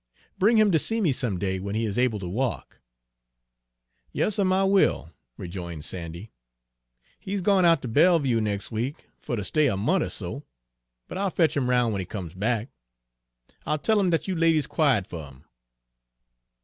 "Bring him to see me some day when he is able to walk." "Yas'm, I will," rejoined Sandy. "He's gwine out ter Belleview nex' week, fer ter stay a mont' er so, but I'll fetch him 'roun' w'en he comes back. I'll tell 'im dat you ladies 'quired fer 'im."